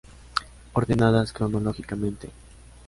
Ordenadas cronológicamente.